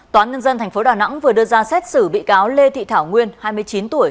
tòa án nhân dân tp đà nẵng vừa đưa ra xét xử bị cáo lê thị thảo nguyên hai mươi chín tuổi